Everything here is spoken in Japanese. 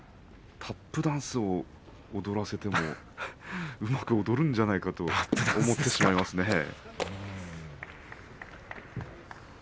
タップダンスを踊らせてもうまく踊るんじゃないかと思ってしまいますね。